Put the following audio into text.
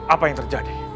apa yang terjadi